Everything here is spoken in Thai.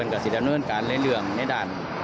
ค่ะ